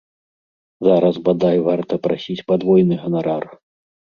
Зараз, бадай, варта прасіць падвойны ганарар!